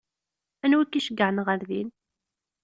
Anwa i k-iceyyɛen ɣer din?